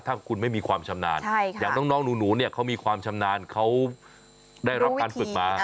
ถ้าคุณไม่มีความชำนาญอย่างน้องหนูเนี่ยเขามีความชำนาญเขาได้รับการฝึกมา